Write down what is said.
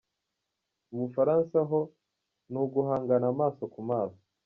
Mu Bufaransa ho, ni uguhangana amaso ku maso.